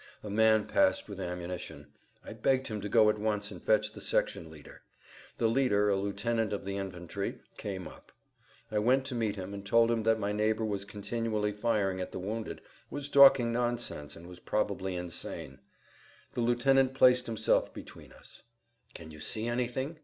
A man passed with ammunition. I begged him to go at once and fetch the section leader. The leader, a lieutenant of the infantry, came up. I went to meet him and told him that my neighbor was continually firing at the wounded, was talking nonsense, and was[Pg 91] probably insane. The lieutenant placed himself between us. "Can you see anything?"